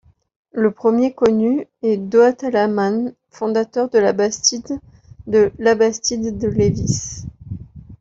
Le premier connu est Doat Alaman, fondateur de la bastide de Labastide-de-Lévis.